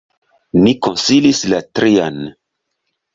Ni konsilis la trian.